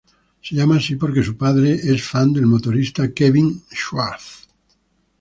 Se llama así porque su padre es fan del motorista Kevin Schwantz.